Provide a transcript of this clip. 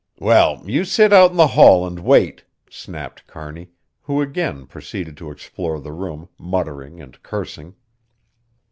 "Well, you sit out in the hall and wait," snapped Kearney, who again proceeded to explore the room, muttering and cursing.